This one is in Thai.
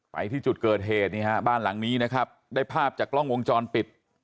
ไปที่จุดเกิดเหตุนี่ฮะบ้านหลังนี้นะครับได้ภาพจากกล้องวงจรปิด